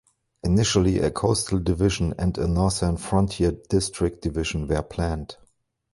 Initially a Coastal Division and a Northern Frontier District Division were planned.